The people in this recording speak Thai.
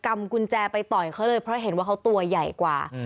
กุญแจไปต่อยเขาเลยเพราะเห็นว่าเขาตัวใหญ่กว่า